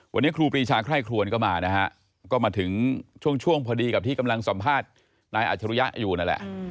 วันนี้ครูปรีชาไคร่ครวนก็มานะฮะก็มาถึงช่วงพอดีกับที่กำลังสัมภาษณ์นายอัชรุยะอยู่นั่นแหละ